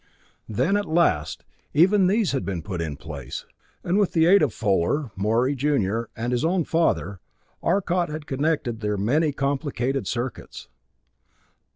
Then at last even these had been put in place, and with the aid of Fuller, Morey junior, and his own father, Arcot had connected their many complicated circuits.